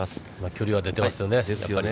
距離は出てますよね。